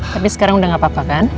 tapi sekarang udah gak apa apa kan